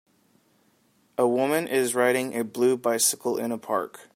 A woman is riding a blue bicycle in a park.